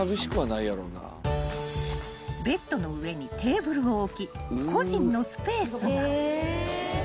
［ベッドの上にテーブルを置き個人のスペースが］